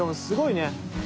すごいね。